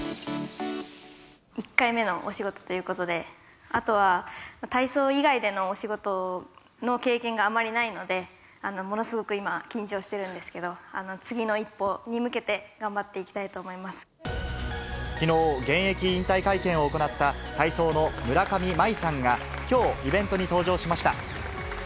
１回目のお仕事ということで、あとは体操以外でのお仕事の経験があまりないので、ものすごく今、緊張してるんですけど、次の一歩に向けて、頑張っていきたいと思きのう、現役引退会見を行った体操の村上茉愛さんが、きょう、イベントに登場しました。